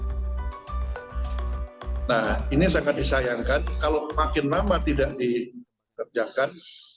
nah ini sangat disayangkan kalau makin lama tidak dikerjakan